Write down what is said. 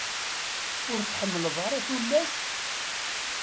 Ur tḥemmleḍ ara tullas?